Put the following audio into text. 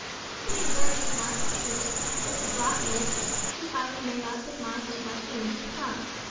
"Being very smart and shrewd, just as Blacky is, he finally made up his mind that it must be in his tongue.